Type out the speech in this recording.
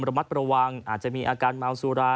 ระมัดระวังอาจจะมีอาการเมาสุรา